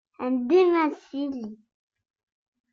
Ɛeddim ar tili!